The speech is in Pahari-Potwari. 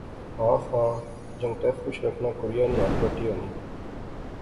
ہاں خاں، جنگتے خوش رکھنا کڑیا نی ہتھ بٹی ہونی